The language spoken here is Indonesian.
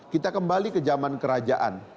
kita kembali ke zaman kerajaan